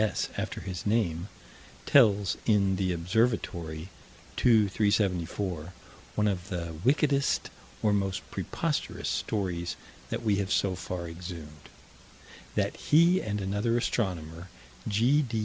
S." after his name tells in the Observatory, 2 374, one of the wickedest, or most preposterous, stories that we have so far exhumed: That he and another astronomer, G.